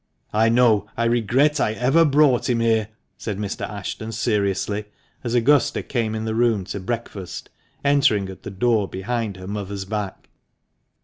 I know I regret I ever brought him here? said Mr. Ashton seriously, as Augusta came in the room to breakfast, entering at the door behind her mother's back.